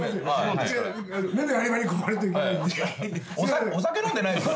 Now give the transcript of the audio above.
はい！